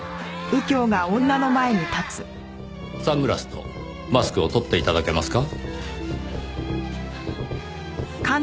サングラスとマスクを取って頂けますか？